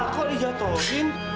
eh amira kau di jatuhin